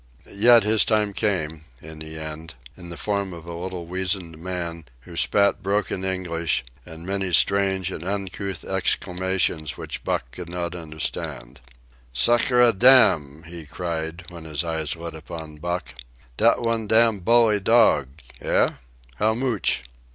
Yet his time came, in the end, in the form of a little weazened man who spat broken English and many strange and uncouth exclamations which Buck could not understand. "Sacredam!" he cried, when his eyes lit upon Buck. "Dat one dam bully dog! Eh? How moch?"